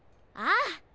ああ。